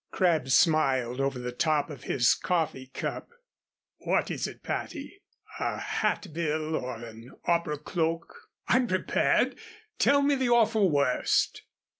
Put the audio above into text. Crabb smiled over the top of his coffee cup. "What is it, Patty? A hat bill or an opera cloak? I'm prepared. Tell me the awful worst."